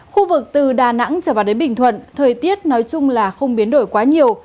khu vực từ đà nẵng trở vào đến bình thuận thời tiết nói chung là không biến đổi quá nhiều